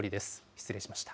失礼しました。